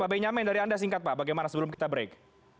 pak benyamin dari anda singkat pak bagaimana sebelum kita break